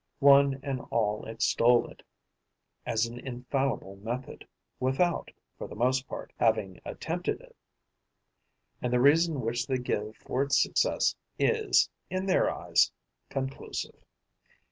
One and all extol it as an infallible method, without, for the most part, having attempted it. And the reason which they give for its success is, in their eyes, conclusive.